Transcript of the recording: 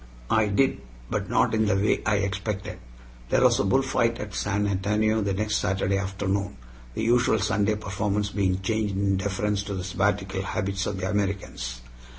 I did, but not in the way I expected. There was a bullfight at San Antonio the next Saturday afternoon, the usual Sunday performance being changed in deference to the Sabbatical habits of the Americans.